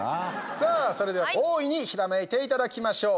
さあ、それでは大いにひらめいていただきましょう。